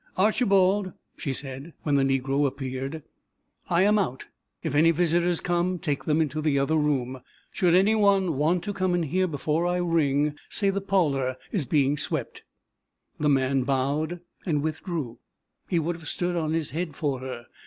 "Archibald," she said, when the negro appeared, "I am out. If any visitors come take them into the other room. Should any one want to come in here before I ring, say the parlor is being swept." The man bowed and withdrew. He would have stood on his head for her.